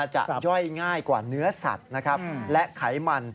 จะย่อยง่ายกว่าเนื้อสัตว์นะครับและไขมัน